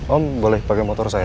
om boleh pakai motor saya